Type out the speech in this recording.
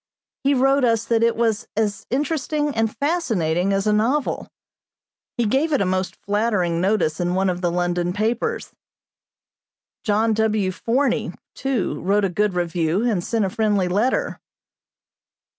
He wrote us that it was as interesting and fascinating as a novel. He gave it a most flattering notice in one of the London papers. John W. Forney, too, wrote a good review and sent a friendly letter.